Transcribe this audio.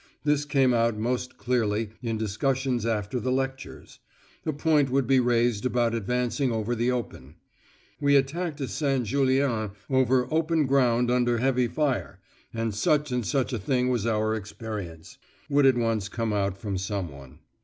This came out most clearly in discussions after the lectures; a point would be raised about advancing over the open: "We attacked at St. Julien over open ground under heavy fire, and such and such a thing was our experience" would at once come out from someone.